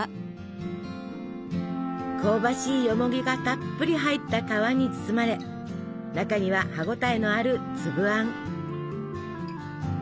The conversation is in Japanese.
香ばしいよもぎがたっぷり入った皮に包まれ中には歯応えのある粒あん。